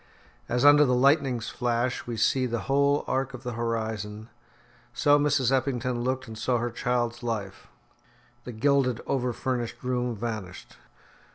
As under the lightning's flash we see the whole arc of the horizon, so Mrs. Eppington looked and saw her child's life. The gilded, over furnished room vanished.